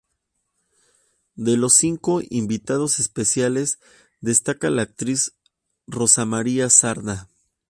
De los cinco invitados especiales, destaca la actriz Rosa María Sardá.